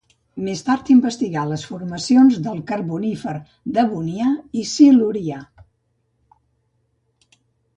Més tard investigà les formacions del Carbonífer, Devonià i Silurià.